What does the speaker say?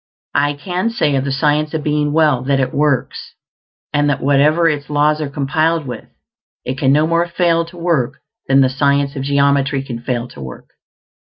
I can say of the Science of Being Well that it works; and that wherever its laws are complied with, it can no more fail to work than the science of geometry can fail to work.